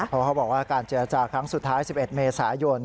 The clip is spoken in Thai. เพราะเขาบอกว่าการเจรจาครั้งสุดท้าย๑๑เมษายน